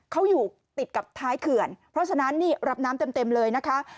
เขาอยู่ติดกับท้ายเขื่อนเพราะฉะนั้นนี่รับน้ำเต็มเลยนะคะ